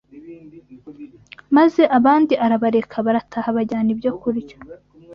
maze abandi arabareka barataha bajyana ibyokurya